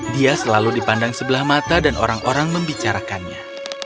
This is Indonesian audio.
dia selalu dipandang sebelah mata dan orang orang membicarakannya